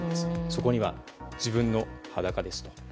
そこには、自分の裸ですと。